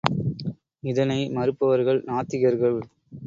இதனை மறுப்பவர்கள் நாத்திகர்கள்.